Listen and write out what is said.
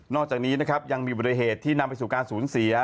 นอกจากนี้นะครับยังมีบัตรเหตุที่นำไปสู่การศูนย์ศรี